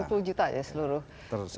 sepuluh juta aja seluruh indonesia